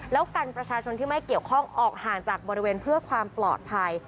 แล้วกันประชาชนที่ไม่เกี่ยวข้องออกห่างจากบริเวณเพื่อความปลอดภัย